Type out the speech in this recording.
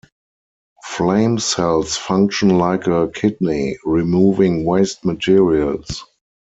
Flame cells function like a kidney, removing waste materials.